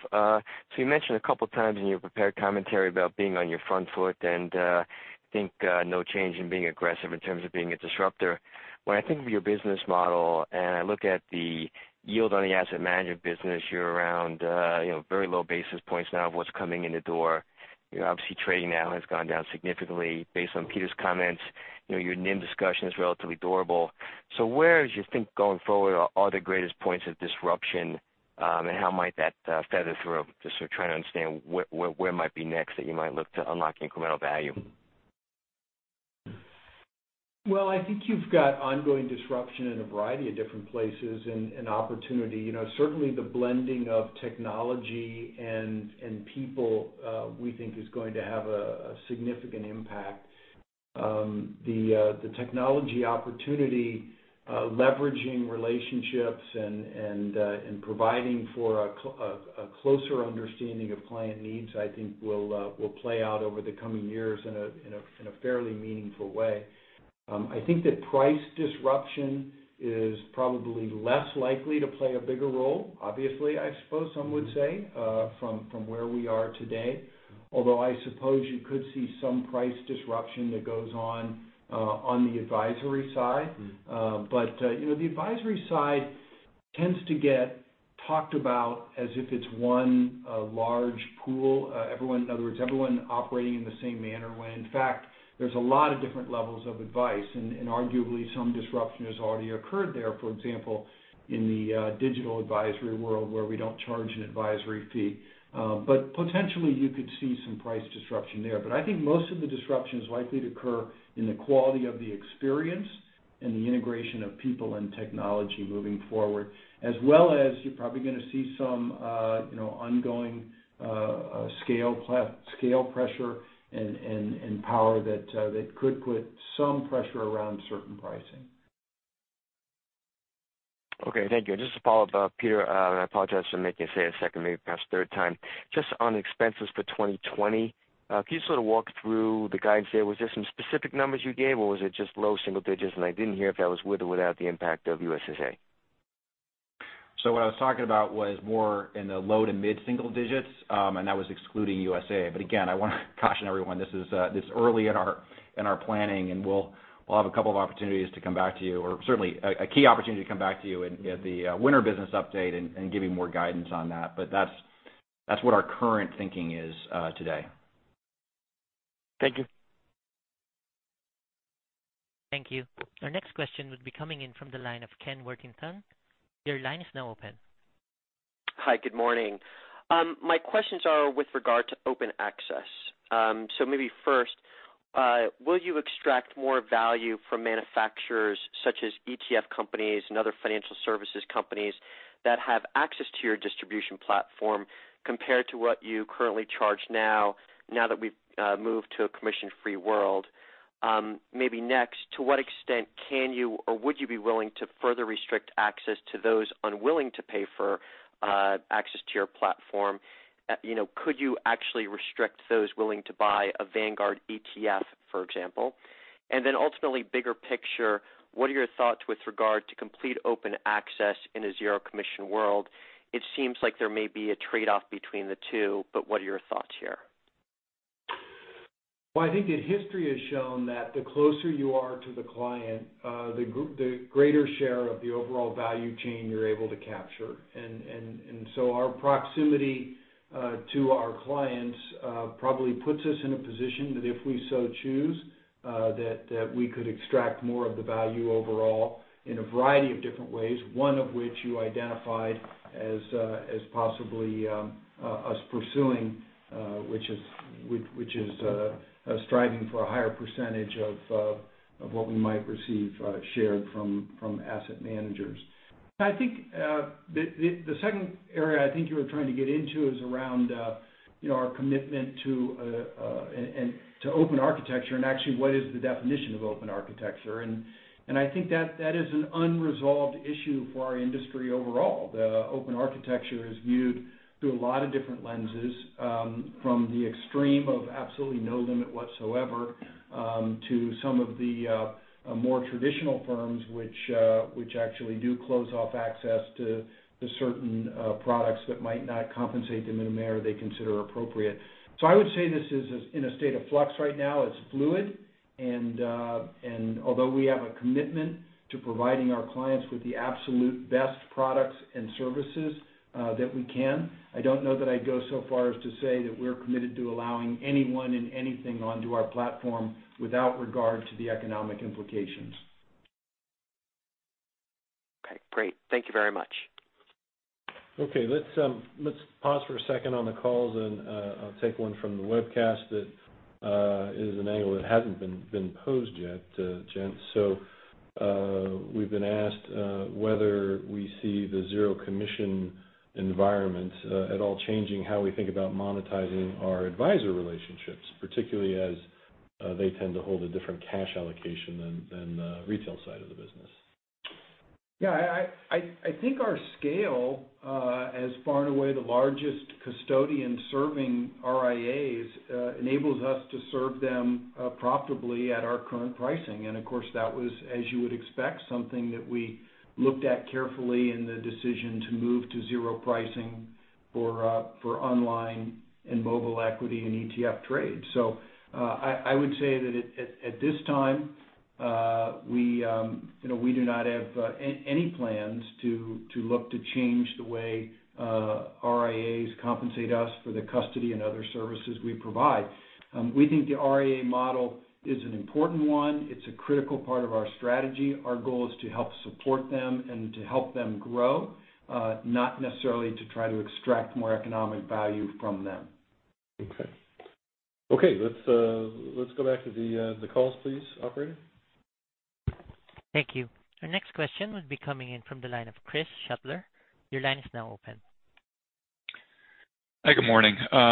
You mentioned a couple of times in your prepared commentary about being on your front foot and I think no change in being aggressive in terms of being a disruptor. When I think of your business model and I look at the yield on the asset management business, you're around very low basis points now of what's coming in the door. Obviously, trading now has gone down significantly based on Peter's comments. Your NIM discussion is relatively durable. Where do you think, going forward, are the greatest points of disruption, and how might that feather through? Just sort of trying to understand where might be next that you might look to unlock incremental value. I think you've got ongoing disruption in a variety of different places and opportunity. Certainly the blending of technology and people we think is going to have a significant impact. The technology opportunity, leveraging relationships, and providing for a closer understanding of client needs, I think will play out over the coming years in a fairly meaningful way. I think that price disruption is probably less likely to play a bigger role. Obviously, I suppose some would say from where we are today. I suppose you could see some price disruption that goes on the advisory side. The advisory side tends to get talked about as if it's one-A large pool. In other words, everyone operating in the same manner when in fact, there's a lot of different levels of advice and arguably some disruption has already occurred there, for example, in the digital advisory world where we don't charge an advisory fee. Potentially you could see some price disruption there. I think most of the disruption is likely to occur in the quality of the experience and the integration of people and technology moving forward. As well as you're probably going to see some ongoing scale pressure and power that could put some pressure around certain pricing. Okay, thank you. Just to follow up, Peter, I apologize for making you say it a second, maybe perhaps third time. Just on expenses for 2020, can you sort of walk through the guidance there? Was there some specific numbers you gave or was it just low single digits and I didn't hear if that was with or without the impact of USAA? What I was talking about was more in the low to mid single digits, and that was excluding USAA. Again, I want to caution everyone, this is early in our planning and we'll have a couple of opportunities to come back to you, or certainly a key opportunity to come back to you at the winter business update and give you more guidance on that. That's what our current thinking is today. Thank you. Thank you. Our next question would be coming in from the line of Kenneth Worthington. Your line is now open. Hi, good morning. My questions are with regard to open access. Maybe first, will you extract more value from manufacturers such as ETF companies and other financial services companies that have access to your distribution platform compared to what you currently charge now that we've moved to a commission-free world? Maybe next, to what extent can you or would you be willing to further restrict access to those unwilling to pay for access to your platform? Could you actually restrict those willing to buy a Vanguard ETF, for example? Ultimately bigger picture, what are your thoughts with regard to complete open access in a zero commission world? It seems like there may be a trade-off between the two, but what are your thoughts here? Well, I think that history has shown that the closer you are to the client, the greater share of the overall value chain you're able to capture. Our proximity to our clients probably puts us in a position that if we so choose, that we could extract more of the value overall in a variety of different ways, one of which you identified as possibly us pursuing which is striving for a higher percentage of what we might receive shared from asset managers. I think the second area I think you were trying to get into is around our commitment to open architecture and actually what is the definition of open architecture. I think that is an unresolved issue for our industry overall. The open architecture is viewed through a lot of different lenses, from the extreme of absolutely no limit whatsoever, to some of the more traditional firms which actually do close off access to certain products that might not compensate them in a manner they consider appropriate. I would say this is in a state of flux right now. It's fluid, and although we have a commitment to providing our clients with the absolute best products and services that we can, I don't know that I'd go so far as to say that we're committed to allowing anyone and anything onto our platform without regard to the economic implications. Okay, great. Thank you very much. Okay, let's pause for a second on the calls and I'll take one from the webcast that is an angle that hasn't been posed yet, gents. We've been asked whether we see the zero commission environment at all changing how we think about monetizing our advisor relationships, particularly as they tend to hold a different cash allocation than the retail side of the business. Yeah, I think our scale, as far and away the largest custodian serving RIAs, enables us to serve them profitably at our current pricing. Of course, that was, as you would expect, something that we looked at carefully in the decision to move to zero pricing for online and mobile equity and ETF trades. I would say that at this time, we do not have any plans to look to change the way RIAs compensate us for the custody and other services we provide. We think the RIA model is an important one. It's a critical part of our strategy. Our goal is to help support them and to help them grow, not necessarily to try to extract more economic value from them. Okay. Let's go back to the calls, please, operator. Thank you. Our next question would be coming in from the line of Craig Siegenthaler. Your line is now open. Hi, good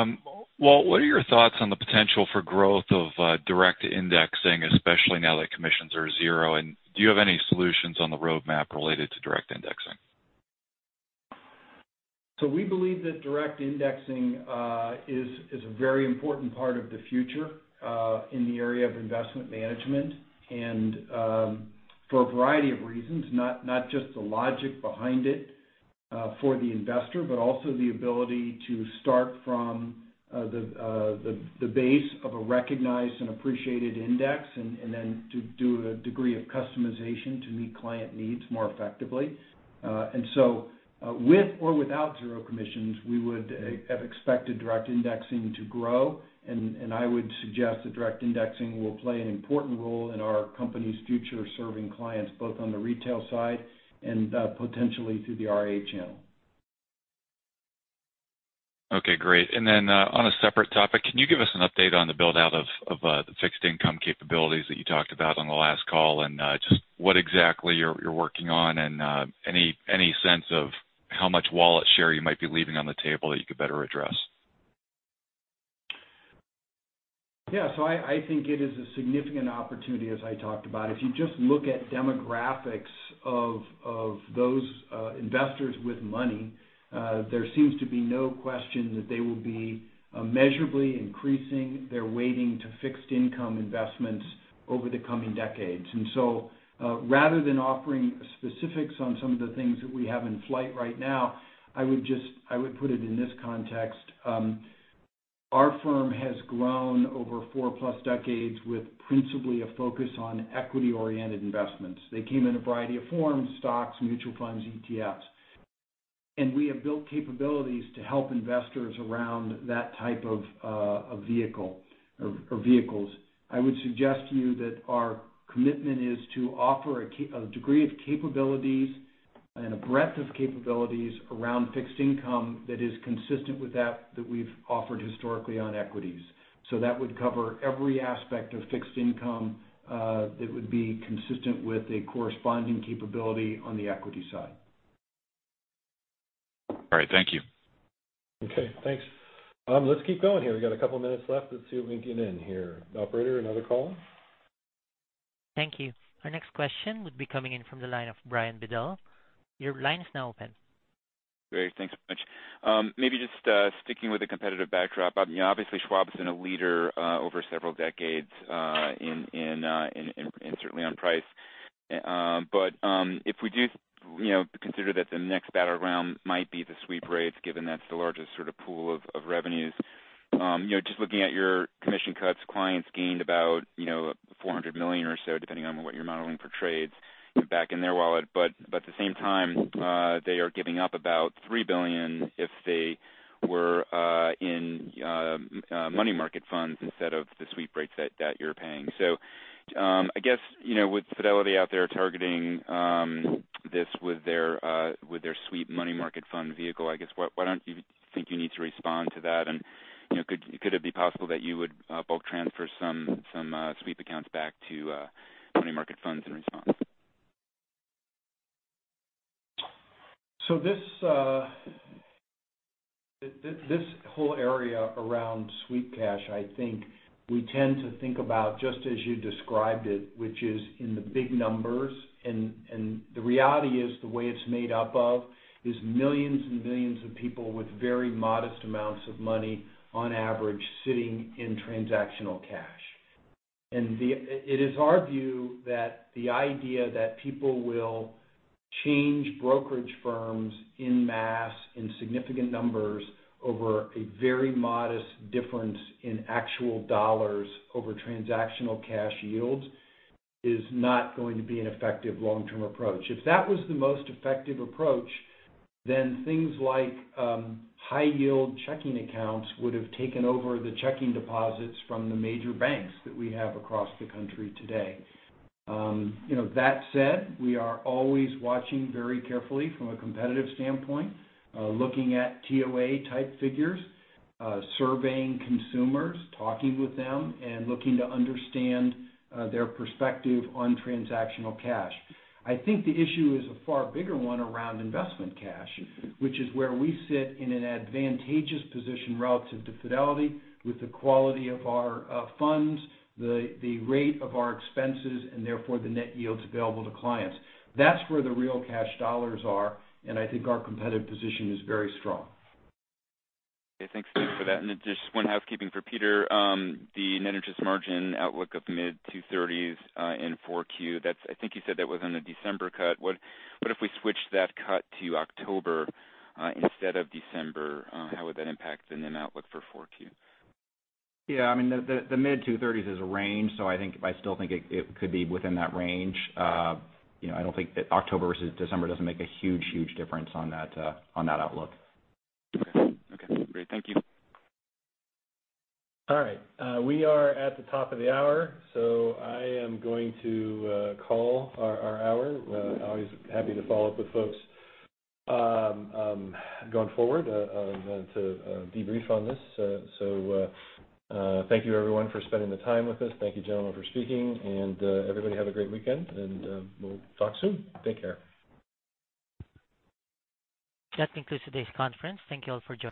morning. Walt, what are your thoughts on the potential for growth of direct indexing, especially now that commissions are zero? Do you have any solutions on the roadmap related to direct indexing? We believe that direct indexing is a very important part of the future in the area of investment management and for a variety of reasons, not just the logic behind it for the investor, but also the ability to start from the base of a recognized and appreciated index, and then to do a degree of customization to meet client needs more effectively. With or without zero commissions, we would have expected direct indexing to grow, and I would suggest that direct indexing will play an important role in our company's future, serving clients both on the retail side and potentially through the RIA channel. Okay, great. On a separate topic, can you give us an update on the build-out of the fixed income capabilities that you talked about on the last call, and just what exactly you're working on and any sense of how much wallet share you might be leaving on the table that you could better address? Yeah. I think it is a significant opportunity, as I talked about. If you just look at demographics of those investors with money, there seems to be no question that they will be measurably increasing their weighting to fixed-income investments over the coming decades. Rather than offering specifics on some of the things that we have in flight right now, I would put it in this context. Our firm has grown over four-plus decades with principally a focus on equity-oriented investments. They came in a variety of forms, stocks, mutual funds, ETFs, and we have built capabilities to help investors around that type of vehicles. I would suggest to you that our commitment is to offer a degree of capabilities and a breadth of capabilities around fixed income that is consistent with that which we've offered historically on equities. That would cover every aspect of fixed income that would be consistent with a corresponding capability on the equity side. All right, thank you. Okay, thanks. Let's keep going here. We've got a couple minutes left. Let's see what we can get in here. Operator, another call? Thank you. Our next question would be coming in from the line of Brian Bedell. Your line is now open. Great, thanks so much. Maybe just sticking with the competitive backdrop. Obviously, Schwab has been a leader over several decades and certainly on price. If we do consider that the next battleground might be the sweep rates, given that's the largest sort of pool of revenues. Just looking at your commission cuts, clients gained about $400 million or so, depending on what you're modeling for trades back in their wallet. At the same time, they are giving up about $3 billion if they were in money market funds instead of the sweep rates that you're paying. I guess, with Fidelity out there targeting this with their sweep money market fund vehicle, I guess, why don't you think you need to respond to that? Could it be possible that you would bulk transfer some sweep accounts back to money market funds in response? This whole area around sweep cash, I think we tend to think about just as you described it, which is in the big numbers. The reality is the way it's made up of is millions and millions of people with very modest amounts of money on average sitting in transactional cash. It is our view that the idea that people will change brokerage firms en masse in significant numbers over a very modest difference in actual dollars over transactional cash yields is not going to be an effective long-term approach. If that was the most effective approach, things like high-yield checking accounts would have taken over the checking deposits from the major banks that we have across the country today. That said, we are always watching very carefully from a competitive standpoint, looking at TOA-type figures, surveying consumers, talking with them, and looking to understand their perspective on transactional cash. I think the issue is a far bigger one around investment cash, which is where we sit in an advantageous position relative to Fidelity with the quality of our funds, the rate of our expenses, and therefore the net yields available to clients. That's where the real cash dollars are. I think our competitive position is very strong. Okay, thanks for that. Just one housekeeping for Peter. The net interest margin outlook of mid-230s in 4Q. I think you said that was on the December cut. What if we switched that cut to October instead of December? How would that impact the net outlook for 4Q? Yeah, the mid-230s is a range. I still think it could be within that range. October versus December doesn't make a huge difference on that outlook. Okay, great. Thank you. All right. We are at the top of the hour. I am going to call our hour. Always happy to follow up with folks going forward to debrief on this. Thank you, everyone, for spending the time with us. Thank you, gentlemen, for speaking, and everybody have a great weekend, and we'll talk soon. Take care. That concludes today's conference. Thank you all for joining.